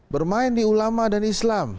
bermain di ulama dan islam